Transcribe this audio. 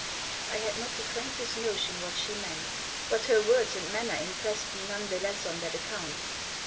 I had not the faintest notion what she meant ; but her words and manner impressed me none the less on that account.